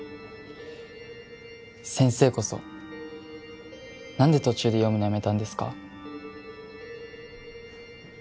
先生こそ何で途中で読むのやめたんですか？